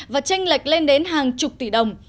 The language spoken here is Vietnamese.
và tranh lệch lên đến hàng chục tỷ đồng